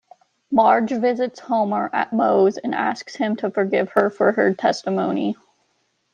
Marge visits Homer at Moe's and asks him to forgive her for her testimony.